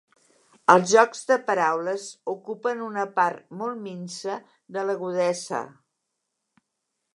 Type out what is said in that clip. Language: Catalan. Els jocs de paraules ocupen una part molt minsa de l'Agudeza.